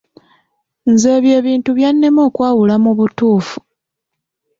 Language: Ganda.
Nze ebyo ebintu byannema okwawula mu butuufu.